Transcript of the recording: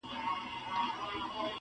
o پر کچه بوک نه کوي!